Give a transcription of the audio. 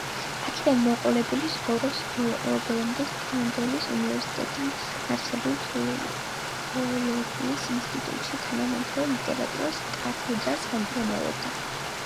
აქედან მოყოლებული ცხოვრების ბოლომდე სტამბოლის უნივერსიტეტთან არსებულ თურქოლოგიის ინსტიტუტში თანამედროვე ლიტერატურას კათედრას ხელმძღვანელობდა.